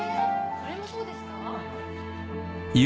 これもそうですか？